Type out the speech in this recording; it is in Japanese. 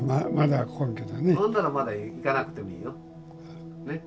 ほんならまだ逝かなくていいよ。ね？